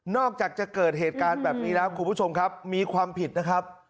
อกจากจะเกิดเหตุการณ์แบบนี้แล้วคุณผู้ชมครับมีความผิดนะครับ